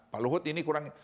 pak luhut ini kurang